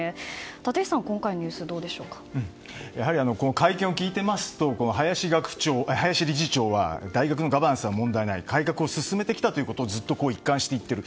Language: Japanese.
立石さん、今回のニュースやはり会見を聞いていますと林理事長は大学のガバナンスは問題ない改革を進めてきたということをずっと一貫して言っている。